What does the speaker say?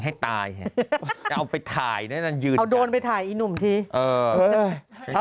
ให้ตายแหละจะเอาไปถ่ายนี่แล้วน่ะหยุดเอาโดนไปถ่ายอีหนุ่มที่เออ